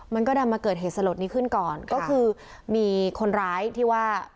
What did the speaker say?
มันก็ดันมาเกิดเหตุสลดนี้ขึ้นก่อนก็คือมีคนร้ายที่ว่า